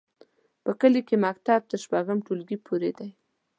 په کلي کې مکتب تر شپږم ټولګي پورې دی.